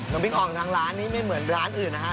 น้ำพิ้งออกทางร้านนี้ไม่เหมือนร้านอื่นนะครับ